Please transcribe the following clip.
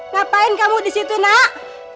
ngapain kamu disitu nak